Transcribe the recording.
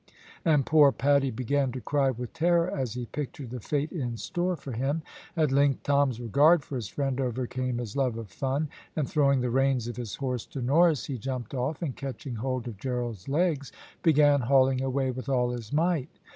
and poor Paddy began to cry with terror as he pictured the fate in store for him. At length Tom's regard for his friend overcame his love of fun, and throwing the reins of his horse to Norris he jumped off, and catching hold of Gerald's legs began hauling away with all his might.